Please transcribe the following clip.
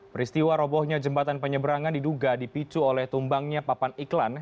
peristiwa robohnya jembatan penyeberangan diduga dipicu oleh tumbangnya papan iklan